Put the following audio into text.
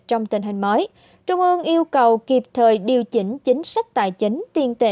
trong tình hình mới trung ương yêu cầu kịp thời điều chỉnh chính sách tài chính tiền tệ